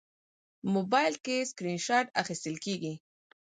موبایل کې سکرین شات اخیستل کېږي.